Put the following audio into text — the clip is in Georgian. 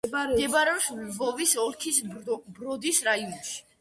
მდებარეობს ლვოვის ოლქის ბროდის რაიონში.